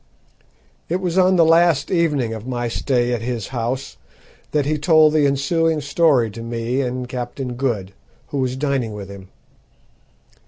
It was on the last evening of my stay at his house that he told the ensuing story to me and Captain Good, who was dining with him.